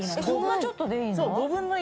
そんなちょっとでいいの？